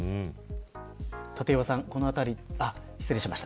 立岩さん、このあたり失礼しました。